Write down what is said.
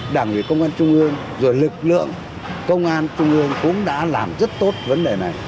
đảng ủy công an trung ương rồi lực lượng công an trung ương cũng đã làm rất tốt vấn đề này